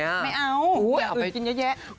ไม่เอาเอาไปกินเยอะแยะ